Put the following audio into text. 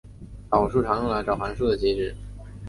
导数常用来找函数的极值。